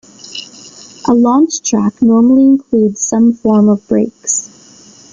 A launch track normally includes some form of brakes.